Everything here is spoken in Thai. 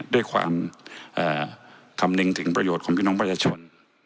ด้วยความคำนึงถึงประโยชน์ของพี่น้องประชาชน